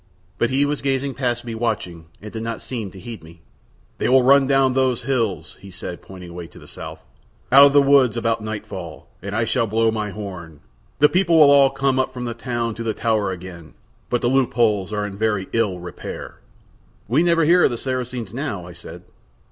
But he was gazing past me watching, and did not seem to heed me. "They will run down those hills," he said, pointing away to the South, "out of the woods about nightfall, and I shall blow my horn. The people will all come up from the town to the tower again; but the loopholes are in very ill repair." "We never hear of the Saracens now," I said.